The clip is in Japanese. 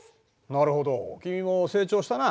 なるほど君も成長したな。